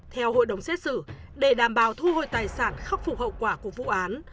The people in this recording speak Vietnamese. theo hội đồng xét xử để đảm bảo thu hồi tài sản khắc phục hậu quả của vụ án